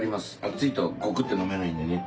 熱いとゴクって飲めないんでね。